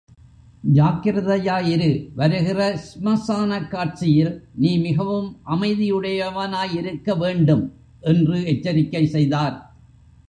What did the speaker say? ஜாக்கிரதையாயிரு, வருகிற ஸ்மசானக்காட்சியில் நீ மிகவும் அமைதியுடையவனாயிருக்க வேண்டும்! என்று எச்சரிக்கை செய்தார்.